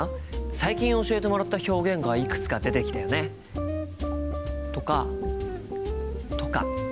最近教えてもらった表現がいくつか出てきたよね。とか。とか。